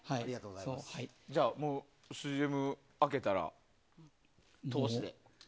じゃあＣＭ明けたら通しで。